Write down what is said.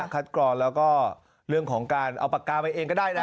กรอนแล้วก็เรื่องของการเอาปากกาไปเองก็ได้นะ